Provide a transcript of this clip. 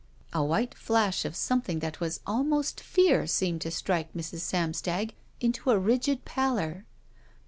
A white flash of something that was almost fear seemed to strike Mrs. Samstag into a rigid pallor.